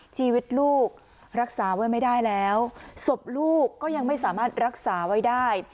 ชีวิตลูกรักษาไว้ไม่ได้แล้วศพลูกก็ยังไม่สามารถรักษาไว้ได้